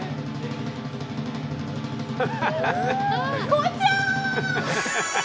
こちら！